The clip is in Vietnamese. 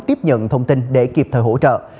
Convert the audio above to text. tiếp nhận thông tin để kịp thời hỗ trợ